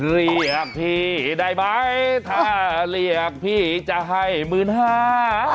เรียกพี่ได้ไหมถ้าเรียกพี่จะให้หมื่นห้า